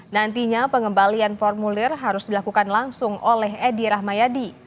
nantinya pengembalian formulir harus dilakukan langsung oleh edi rahmayadi